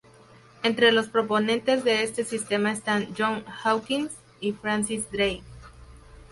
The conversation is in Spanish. Entre los proponentes de este sistema están John Hawkins y Francis Drake.